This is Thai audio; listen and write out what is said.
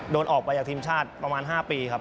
โดนออกไปจากทีมชาติประมาณ๕ปีครับ